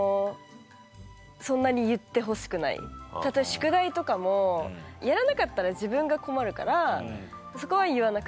宿題とかもやらなかったら自分が困るからそこは言わなくていい。